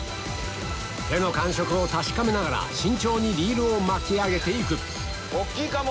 手の感触を確かめながら慎重にリールを巻き上げていく大きいかも。